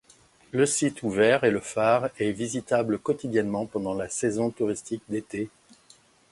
Le site ouvert et le phare est visitable quotidiennement pendant la saison touristique d'été.